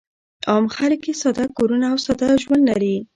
عام خلک یې ساده کورونه او ساده ژوند لري.